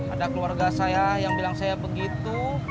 ada keluarga saya yang bilang saya begitu